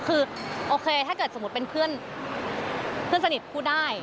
คือโอเคถ้าเกิดสมมุติเป็นเพื่อนสนิทพูดได้